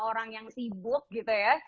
orang yang sibuk gitu ya